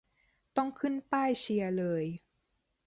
ต้องขึ้นป้ายเชียร์เลย